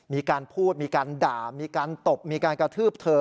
มีการพูดมีการด่ามีการตบมีการกระทืบเธอ